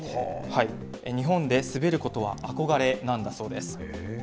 日本で滑ることは憧れなんだそうです。